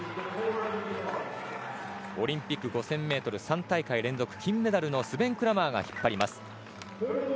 オリンピック５０００ｍ３大会連続金メダルのスベン・クラマーが引っ張ります。